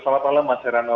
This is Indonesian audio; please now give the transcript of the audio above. selamat malam mas herano